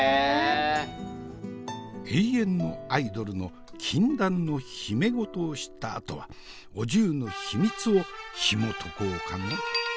永遠のアイドルの禁断の秘め事を知ったあとはお重の秘密をひもとこうかの？